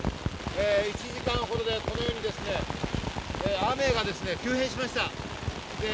１時間ほどでこのように雨が急変しました。